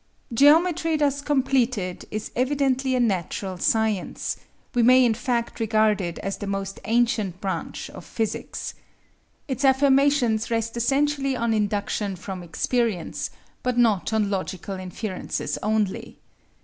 Geometry thus completed is evidently a natural science; we may in fact regard it as the most ancient branch of physics. Its affirmations rest essentially on induction from experience, but not on logical inferences only.